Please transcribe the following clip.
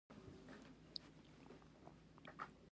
کوم سیال قدرتونه به برلاسي کېږي.